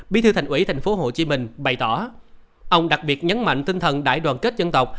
bí thư thành ủy tp hcm bày tỏ ông đặc biệt nhấn mạnh tinh thần đại đoàn kết dân tộc